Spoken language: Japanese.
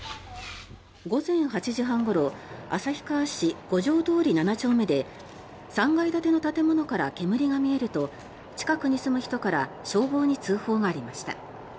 午前８時半ごろ旭川市５条通７丁目で３階建ての建物から煙が見えると近くに住む人から消防に通報がありました。